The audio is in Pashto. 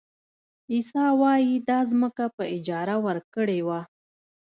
عیسی وایي دا ځمکه په اجاره ورکړې وه.